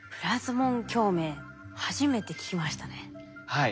はい。